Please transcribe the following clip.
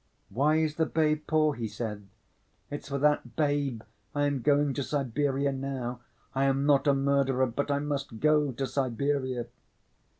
'Why is the babe poor?' he said. 'It's for that babe I am going to Siberia now. I am not a murderer, but I must go to Siberia!